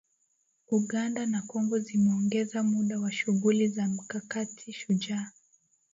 Uganda na Kongo zimeongeza muda wa shughuli za Mkakati Shujaa